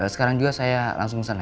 sekarang juga saya langsung ke sana